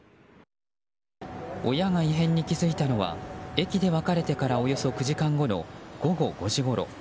親が異変に気付いたのは駅で別れてからおよそ９時間後の午後５時ごろ。